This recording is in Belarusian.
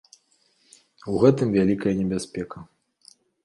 У гэтым вялікая небяспека.